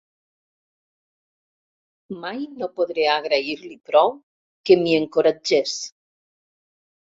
Mai no podré agrair-li prou que m'hi encoratgés.